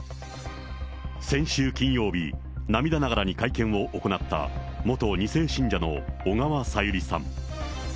先週金曜日、涙ながらに会見を行った元２世信者の小川さゆりさん。